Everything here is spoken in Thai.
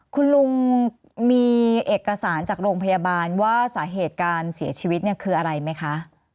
คุณลุงมีเอกสารจากโรงพยาบาลว่าสาเหตุการเสียชีวิตเนี่ยคืออะไรไหมคะ